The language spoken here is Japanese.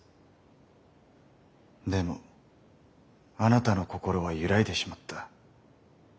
でもあなたの心は揺らいでしまった。